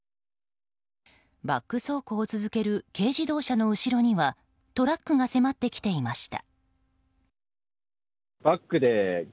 バック走行を続ける軽自動車の後ろにはトラックが迫ってきていました。